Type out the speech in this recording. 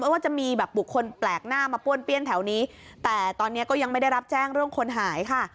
ว่าจะมีแบบบุคคลแปลกหน้ามาป้วนเปี้ยนแถวนี้แต่ตอนนี้ก็ยังไม่ได้รับแจ้งเรื่องคนหายค่ะ